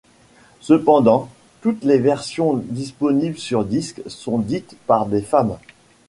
Cependant, toutes les versions disponibles sur disque sont dites par des femmes.